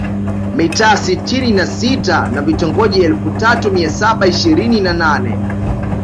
Mitaa sitini na sita na Vitongoji elfu tatu mia saba ishirini na nane